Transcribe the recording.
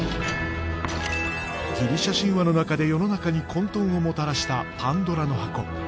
ギリシア神話の中で世の中に混とんをもたらしたパンドラの箱。